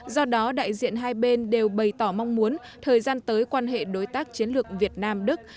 do đó đại diện hai bên đều bày tỏ mong muốn thời gian tới quan hệ đối tác chiến lược việt nam đức